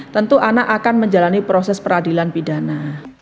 tentu anak akan menjalani proses peradilan pidana